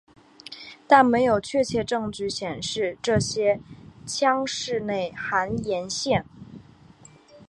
但没有确切证据显示这些腔室内含盐腺。